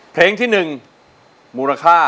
เพลงที่๑มูลค่า๑๐๐๐๐บาท